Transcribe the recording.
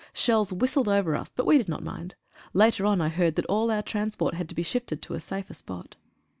Shells whistled over us but we did not mind. Later on I heard that all our transport had to be shifted to a safer spot.